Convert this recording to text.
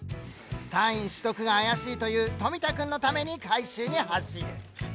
単位取得が怪しいという冨田君のために回収に走る。